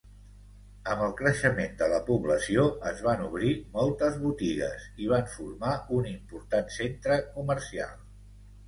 Amb el creixement de la població, es van obrir moltes botigues i van formar un important centre comercial.